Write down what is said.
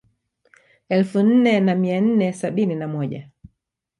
Elfu nne na mia nne sabini na moja